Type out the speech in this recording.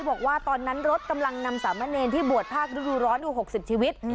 บอกว่าตอนนั้นรถกำลังนำสามะเนรที่บวชภาคฤดูร้อนอยู่๖๐ชีวิต